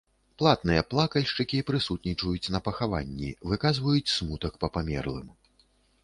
Платныя плакальшчыкі прысутнічаюць на пахаванні, выказваюць смутак па памерлым.